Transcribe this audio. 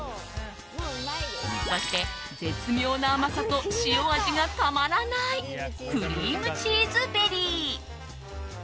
そして、絶妙な甘さと塩味がたまらないクリームチーズベリー。